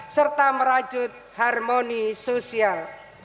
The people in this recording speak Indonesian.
serta merajut harmoni sosial